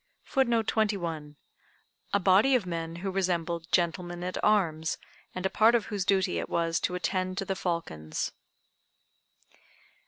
] [Footnote 21: A body of men who resembled "Gentlemen at arms," and a part of whose duty it was to attend to the falcons.